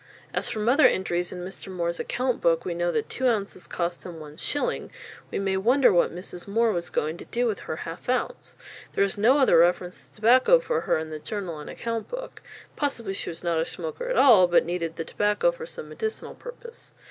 As from other entries in Mr. Moore's account book we know that two ounces cost him one shilling, we may wonder what Mrs. Moore was going to do with her half ounce. There is no other reference to tobacco for her in the journal and account book. Possibly she was not a smoker at all, but needed the tobacco for some medicinal purpose.